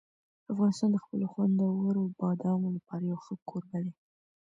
افغانستان د خپلو خوندورو بادامو لپاره یو ښه کوربه دی.